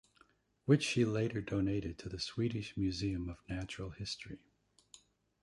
Which she later donated to the Swedish Museum of Natural History.